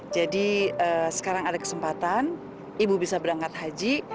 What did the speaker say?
jadi sekarang ada kesempatan ibu bisa berangkat haji